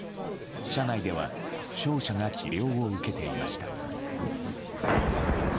車内では負傷者が治療を受けていました。